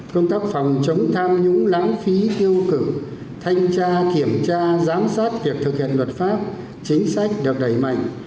công tác phòng chống tham nhũng lãng phí tiêu cực thanh tra kiểm tra giám sát việc thực hiện luật pháp chính sách được đẩy mạnh